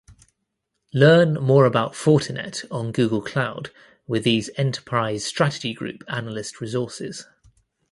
Learn more about Fortinet on Google Cloud with these Enterprise Strategy Group analyst resources